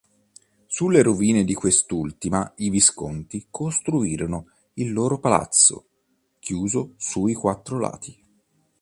Sulle rovine di quest'ultima i Visconti costruirono il loro "palazzo", chiuso sui quattro lati.